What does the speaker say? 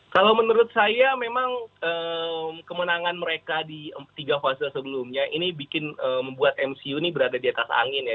kalau menurut saya memang kemenangan mereka di tiga fase sebelumnya ini membuat mcu ini berada di atas angin ya